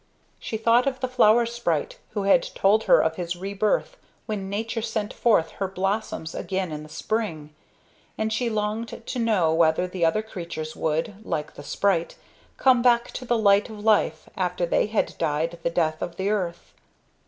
She thought of the flower sprite who had told her of his rebirth when Nature sent forth her blossoms again in the spring; and she longed to know whether the other creatures would, like the sprite, come back to the light of life after they had died the death of the earth.